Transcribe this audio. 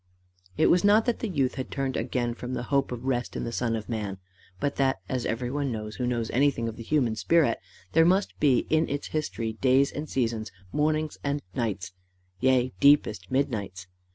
It was not that the youth had turned again from the hope of rest in the Son of Man; but that, as everyone knows who knows anything of the human spirit, there must be in its history days and seasons, mornings and nights, yea deepest midnights.